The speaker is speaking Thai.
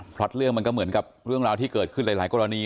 เพราะเรื่องมันก็เหมือนกับเรื่องราวที่เกิดขึ้นหลายกรณี